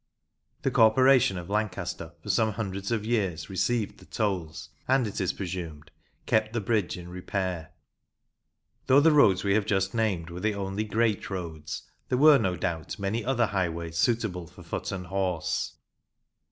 The Corporation of Lancaster for some hundreds of years received the tolls, and, it is presumed, kept the bridge in repair. Though the roads we have just named were the only " great roads," there were no doubt many other highways suitable for foot and horse.